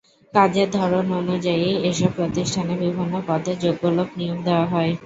কাজের ধরন অনুযায়ী এসব প্রতিষ্ঠানে বিভিন্ন পদে যোগ্য লোক নিয়োগ দেওয়া হয়।